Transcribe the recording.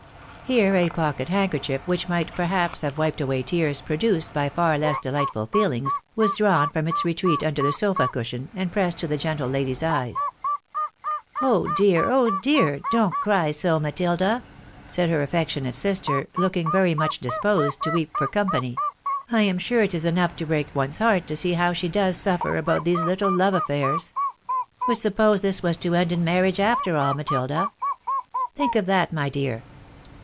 Here a pocket handkerchief, which might, perhaps, have wiped away tears produced by far less delightful feehngs, was drawn from its retreat under the sofa cushion, and pressed to the gentle lady's eyes. " Oh dear ! oh dear ! don't cry so, Matilda," said her affectionate sister, looking very much disposed to weep for company —" I am sure it is enough to break one's heart to see how she does suffer about these little love affairs ! But suppose this was to end in marriage after all, MatUda ! Think of that, my dear